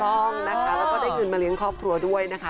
ต้องนะคะแล้วก็ได้เงินมาเลี้ยงครอบครัวด้วยนะคะ